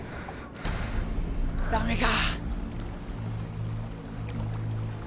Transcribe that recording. ダメか。